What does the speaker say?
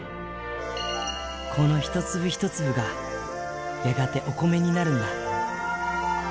この一粒一粒がやがてお米になるんだ。